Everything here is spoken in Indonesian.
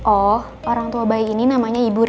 oh orang tua bayi ini namanya ibu